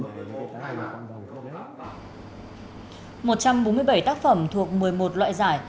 một trăm bốn mươi bảy tác phẩm thuộc một mươi một loại giải